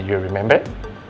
do you remember